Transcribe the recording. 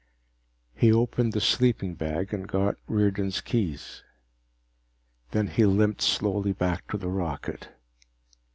He opened the sleeping bag and got Riordan's keys. Then he limped slowly back to the rocket.